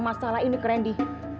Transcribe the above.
masalah ini ke randy